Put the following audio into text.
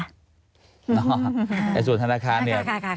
อ๋อในศูนย์ธนาคารเนี่ย